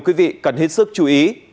quý vị cần hết sức chú ý